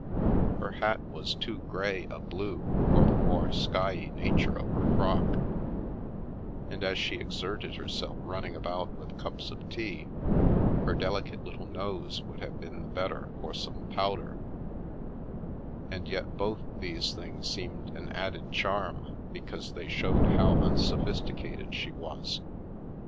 Her hat was too grey a blue for the more skiey nature of her frock, and as she exerted herself running about with cups of tea, her deli cate little nose would have been the better for some powder, and yet both these things seemed an added charm, because they showed how unsophisticated she was.